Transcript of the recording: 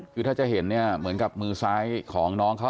คือถ้าจะเห็นเนี่ยเหมือนกับมือซ้ายของน้องเขา